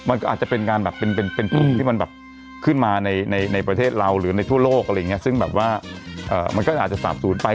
อาจจะเป็นปรุงที่ขึ้นมาในประเทศเราหรือในทั่วโลกหรือแบบว่ามันก็อาจจะสาปกดไป